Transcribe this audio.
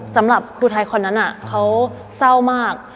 สำหรับครูไทยคนนั้นเขาเศร้ามาก